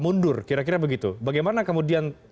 mundur kira kira begitu bagaimana kemudian